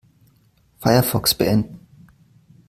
Firefox beenden.